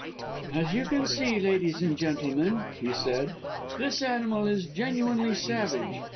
"As you can see, ladies and gentlemen," he said, "this animal is genuinely savage!